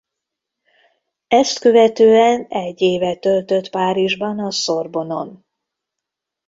Ezt követően egy évet töltött Párizsban a Sorbonne-on.